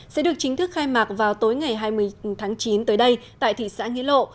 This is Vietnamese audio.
sẽ được chính thức khai mạc vào tối ngày hai mươi tháng chín tới đây tại thị xã nghĩa lộ